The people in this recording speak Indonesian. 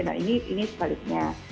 nah ini sebaliknya